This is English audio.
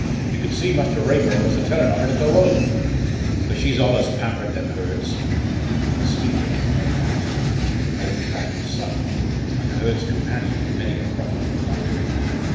You could see Muster Raeburn was a tellin' of her to go 'ome. But she's allus pampered them Hurds." The speaker was Ned Patton, old Patton's son, and Hurd's companion on many a profitable night walk.